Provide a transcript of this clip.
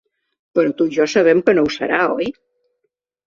Però tu i jo sabem que no ho serà, oi?